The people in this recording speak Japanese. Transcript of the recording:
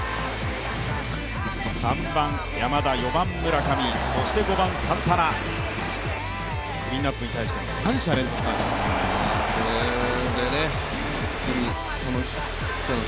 ３番・山田、４番・村上、そして５番・サンタナ、クリーンナップに対して三者連続三振。